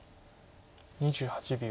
２８秒。